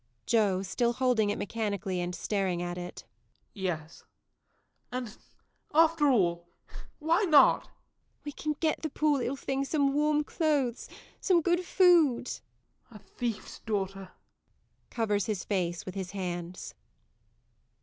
JOE. [Still holding it mechanically and staring at it.] Yes. And, after all, why not? MARY. We can get the poor little thing some warm clothes, some good food JOE. [Under his breath.] A thief's daughter. [_Covers his face with his hands.